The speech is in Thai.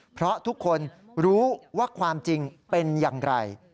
เพราะทุกคนรู้ว่าความจริงเป็นอย่างไร